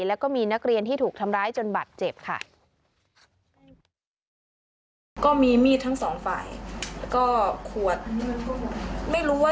แล้วก็มีนักเรียนที่ถูกทำร้ายจนบัตรเจ็บค่ะ